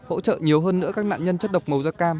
hỗ trợ nhiều hơn nữa các nạn nhân chất độc màu da cam